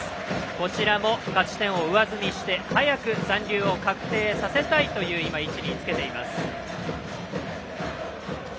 こちらも勝ち点を上積みして早く残留を確定させたいという位置に今、つけています。